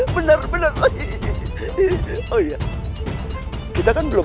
bener bener oh iya kita kan belum